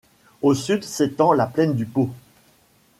Au sud s'étend la plaine du Pô.